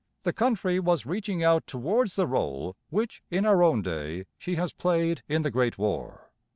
The country was reaching out towards the rôle which in our own day she has played in the Great War.